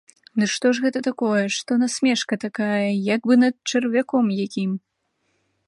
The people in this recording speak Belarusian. Ды што ж гэта такое, што насмешка такая, як бы над чарвяком якім!